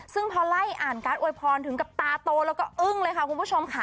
ซึ่งพอไล่อ่านการอวยพรถึงกับตาโตแล้วก็อึ้งเลยค่ะคุณผู้ชมค่ะ